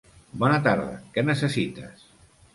Bona tarda, què necessites?